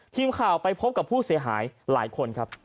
ทีมข่าวไปพบกับผู้เสียหายหลายคนครับ